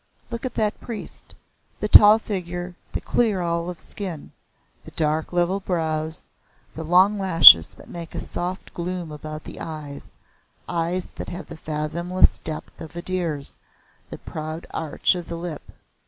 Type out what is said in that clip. Look at that priest the tall figure, the clear olive skin, the dark level brows, the long lashes that make a soft gloom about the eyes eyes that have the fathomless depth of a deer's, the proud arch of the lip.